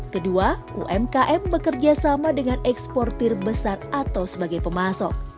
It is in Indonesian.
kedua umkm bekerja sama dengan eksportir besar atau sebagai pemasok